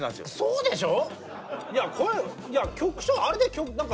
そうでしょ？